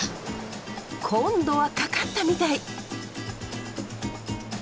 今度はかかったみたい。